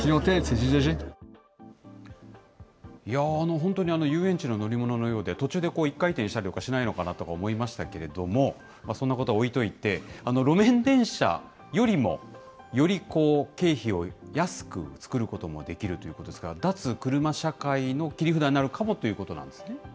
本当に遊園地の乗り物のようで、途中で１回転したりとかしないのかなと思いましたけれども、そんなことは置いといて、路面電車よりも、より経費を安く作ることもできるということですから、脱車社会の切り札になるかもということですね。